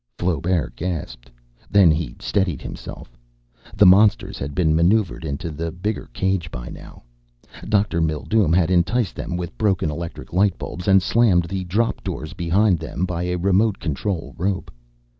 Flaubert gasped. Then he steadied himself. The monsters had been maneuvered into the bigger cage by now Dr. Mildume had enticed them with broken electric light bulbs and slammed the drop doors behind them by a remote control rope.